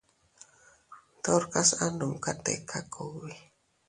Ndorkas a numka tika kugbi.